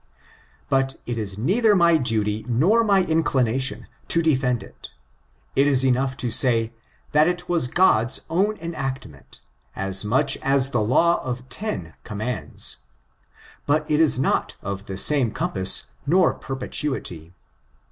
But it is neither my duty nor my inclination to defend it. It is enough to say, that it was God's own enactment, as much as the law of ten commands, but it is not of the same compass nor perpetuity.